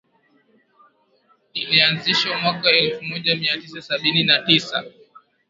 ilianzishwa mwaka elfumoja miatisa sabini na tisa